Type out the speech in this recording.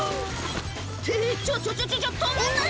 「ってちょちょちょちょちょ止まんない！」